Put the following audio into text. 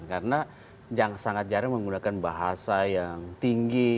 karena sangat jarang menggunakan bahasa yang tinggi